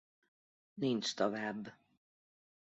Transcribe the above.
Nincs tovább.